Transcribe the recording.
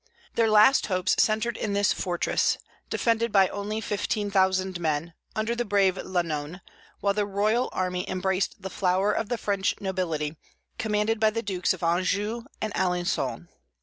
Their last hopes centred in this fortress, defended by only fifteen thousand men, under the brave La None, while the royal army embraced the flower of the French nobility, commanded by the Dukes of Anjou and Alençon.